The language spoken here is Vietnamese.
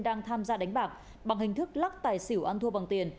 đang tham gia đánh bạc bằng hình thức lắc tài xỉu ăn thua bằng tiền